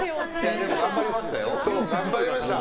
頑張りました。